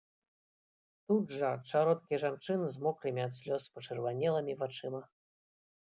Тут жа чародкі жанчын з мокрымі ад слёз пачырванелымі вачыма.